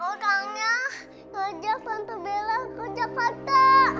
orangnya kerja tante bella ke jakarta